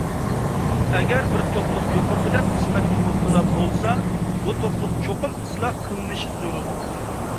ئەگەر بىر توپلۇم يۇقىرىقىدەك قىسمەتكە مۇپتىلا بولسا، بۇ توپلۇم چوقۇم ئىسلاھ قىلىنىشى زۆرۈر.